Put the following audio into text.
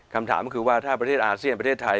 คำถามก็คือว่าถ้าประเทศอาเซียนประเทศไทย